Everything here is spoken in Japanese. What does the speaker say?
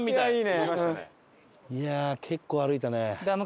いやあ結構歩いたね。